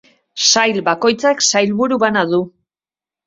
Sail bakoitzak sailburu bana du.